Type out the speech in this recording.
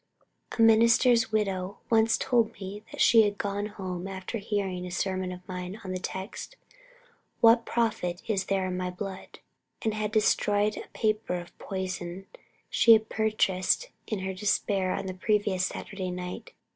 A minister's widow once told me that she had gone home after hearing a sermon of mine on the text, "What profit is there in my blood?" and had destroyed a paper of poison she had purchased in her despair on the previous Saturday night.